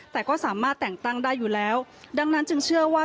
แต่ก็สามารถแต่งตั้งได้อยู่แล้วดังนั้นจึงเชื่อว่า